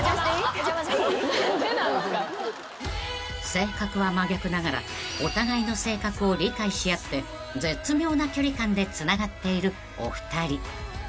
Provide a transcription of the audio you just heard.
［性格は真逆ながらお互いの性格を理解し合って絶妙な距離感でつながっているお二人］